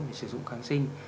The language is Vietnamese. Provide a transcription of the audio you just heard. thì sử dụng kháng sinh